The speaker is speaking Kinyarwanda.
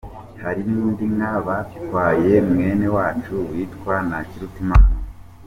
Hari n’indi nka batwaye mwene wacu witwa Ntakirutimana.